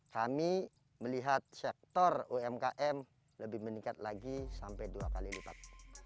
kami melihat sektor umkm lebih meningkat lagi sampai dua kali lipat